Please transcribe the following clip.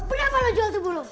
berapa lo jual tuh burung